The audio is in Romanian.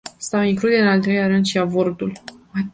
Sau include, în al treilea rând, și avortul?